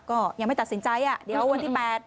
ก็ยังไม่ตัดสินใจวันที่๘